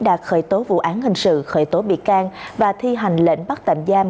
đã khởi tố vụ án hình sự khởi tố bị can và thi hành lệnh bắt tạm giam